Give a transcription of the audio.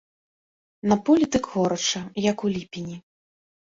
На полі дык горача, як у ліпені.